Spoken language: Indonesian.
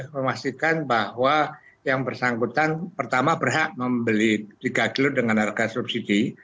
memastikan bahwa yang bersangkutan pertama berhak membeli tiga kilo dengan harga subsidi